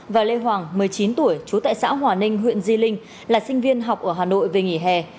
và lê hoàng một mươi chín tuổi trú tại xã hòa ninh huyện di linh là sinh viên học ở hà nội về nghỉ hè